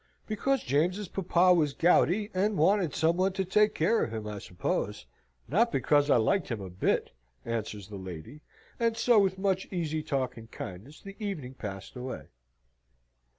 "Because James's papa was gouty, and wanted somebody to take care of him, I suppose; not because I liked him a bit," answers the lady: and so with much easy talk and kindness the evening passed away.